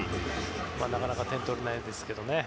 なかなか点を取れないんですけどね。